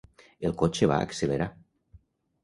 El cotxe va accelerar.